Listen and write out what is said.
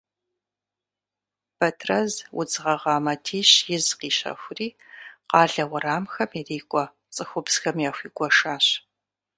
Бэтрэз удз гъэгъа матищ из къищэхури, къалэ уэрамхэм ирикӏуэ цӏыхубзхэм яхуигуэшащ.